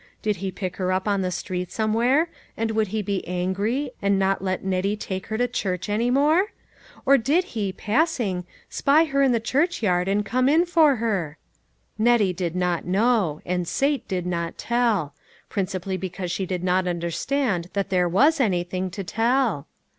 Did he pick her upon the street somewhere, and would he be angry, and not let Nettie take her to church any more ? Or did he, passing, spy her in the churchyard and come in for her?" Nettie did not know, and Sate did not tell; principally because she did not understand that there was anything to tell.